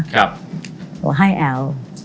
ก็ให้แอลล์